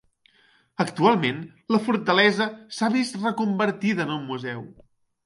Actualment, la fortalesa s'ha vist reconvertida en un museu.